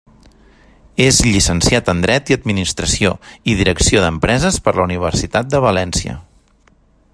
És llicenciat en dret i administració i direcció d'empreses per la Universitat de València.